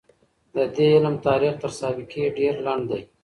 د دې علم تاريخ تر سابقې ډېر لنډ دی.